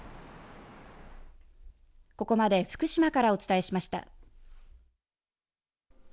ここまで福島からお伝えしました。